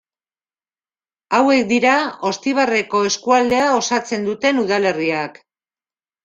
Hauek dira Oztibarreko eskualdea osatzen duten udalerriak.